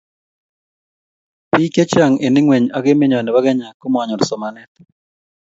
biik chechang eng ingweny ak emenyo nebo Kenya komanyor somanet